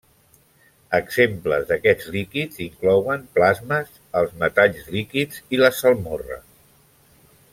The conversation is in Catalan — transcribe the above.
Exemples d'aquests de líquids inclouen plasmes, els metalls líquids i la salmorra.